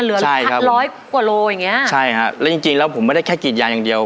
เหลือร้อยกว่าโลอย่างเงี้ยใช่ฮะแล้วจริงจริงแล้วผมไม่ได้แค่กรีดยางอย่างเดียว